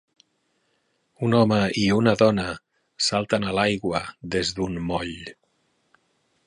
Un home i una dona salten a l'aigua des d'un moll.